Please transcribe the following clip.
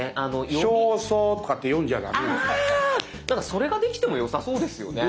それができてもよさそうですよね。